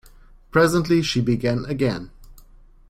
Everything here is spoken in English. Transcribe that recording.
Presently she began again.